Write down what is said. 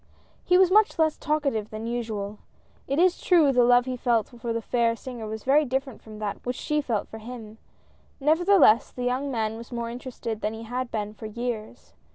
He was much less talkative than usual; it is true the love he felt for the fair singer was very different from that which she felt for him, nevertheless, the young man was more interested than he had been for years.